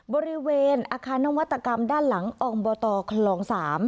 บริเวณอาคารนวัตกรรมด้านหลังองค์บตคลอง๓